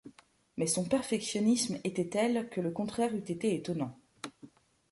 Mais son perfectionnisme était tel que le contraire eût été étonnant.